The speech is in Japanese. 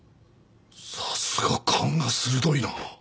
さすが勘が鋭いな。